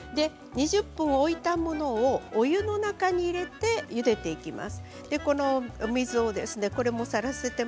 置いたものをお湯の中に入れてゆでていきます。